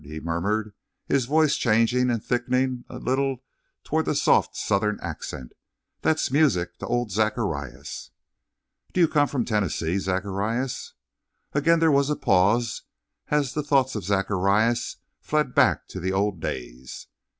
he murmured, his voice changing and thickening a little toward the soft Southern accent. "That's music to old Zacharias!" "Do you come from Tennessee, Zacharias?" Again there was a pause as the thoughts of Zacharias fled back to the old days.